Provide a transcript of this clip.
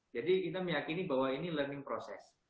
jadi kita meyakini bahwa ini learning process